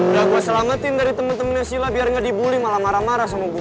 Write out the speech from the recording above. udah gue selamatin dari temen temennya sila biar nggak dibully malah marah marah sama gue